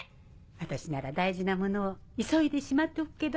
私なら大事なものを急いでしまっておくけど。